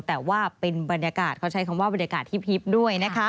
แต่ว่าเป็นบรรยากาศเขาใช้คำว่าบรรยากาศที่พีบด้วยนะคะ